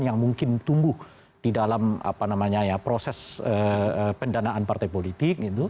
karena itu adalah penyelesaian yang mungkin tumbuh di dalam proses pendanaan partai politik